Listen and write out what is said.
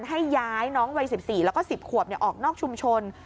ให้ย้ายน้องวัยสิบสี่แล้วก็สิบขวบเนี่ยออกนอกชุมชน